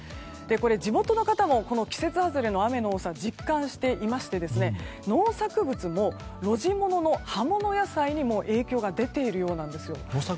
地元の方もこの季節外れの雨の多さ実感していまして、農作物も露地物の葉物野菜に影響が出ているようなんです。